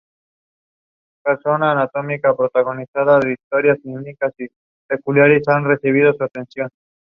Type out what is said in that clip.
Also, Huet used papers by Peter Thaborita for his description of Pier Gerlofs Donia.